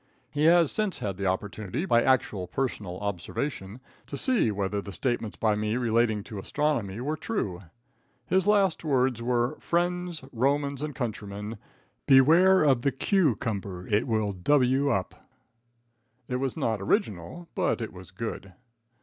He has since had the opportunity, by actual personal observation, to see whether the statements by me relating to astronomy were true. His last words were: "Friends, Romans and countrymen, beware of the q cumber. It will w up." It was not original, but it was good.